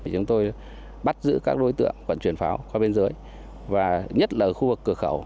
chúng tôi bắt giữ các đối tượng vận chuyển pháo qua bên dưới và nhất là khu vực cửa khẩu